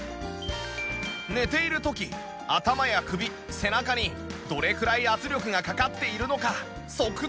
寝ている時頭や首背中にどれくらい圧力がかかっているのか測定